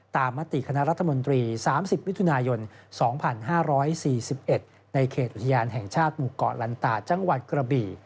มติคณะรัฐมนตรี๓๐มิถุนายน๒๕๔๑ในเขตอุทยานแห่งชาติหมู่เกาะลันตาจังหวัดกระบี่